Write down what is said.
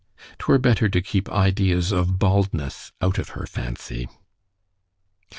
_ —'Twere better to keep ideas of baldness out of her fancy.